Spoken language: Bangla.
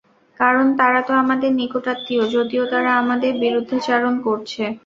কারণ তারাতো আমাদের নিকটাত্মীয়, যদিও তারা আমাদের বিরুদ্ধাচারণ করছে।